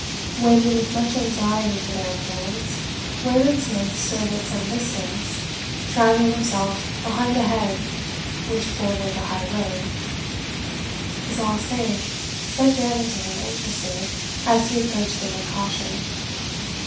Waiting with much anxiety for their appearance, Wayland Smith stood at some distance, shrouding himself behind a hedge which bordered the high road. "Is all safe?" said Janet to him anxiously, as he approached them with caution.